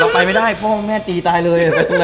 เราไปไม่ได้พ่อห้องแม่ตีตายเลย